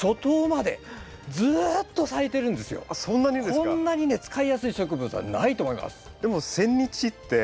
こんなにね使いやすい植物はないと思います。